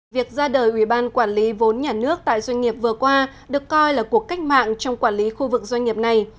việc ra đời ủy ban quản lý vốn nhà nước tại doanh nghiệp vừa qua được coi là cuộc cách mạng trong quản lý khu vực doanh nghiệp này